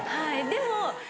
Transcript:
でも。